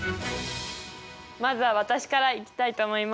まずは私からいきたいと思います。